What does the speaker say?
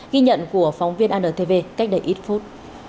ghi nhận của phóng viên antv cách đây ít phút